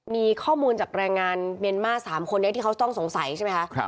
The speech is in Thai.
มีข้อมูลจากแรงงานเมียนมาร์๓คนนี้ที่เขาต้องสงสัยใช่ไหมคะ